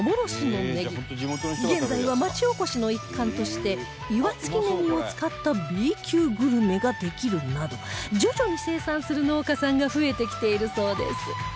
現在は町おこしの一環として岩槻ねぎを使った Ｂ 級グルメができるなど徐々に生産する農家さんが増えてきているそうです